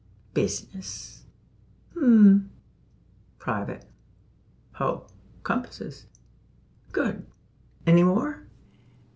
business; hum! private; ho! compasses; good! Any more?"